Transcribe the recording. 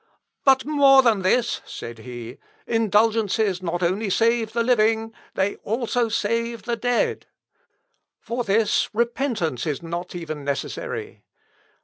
"But more than this," said he; "indulgences not only save the living: they also save the dead. "For this repentance is not even necessary.